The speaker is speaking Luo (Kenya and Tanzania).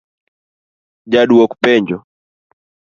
Ja dwok penjo: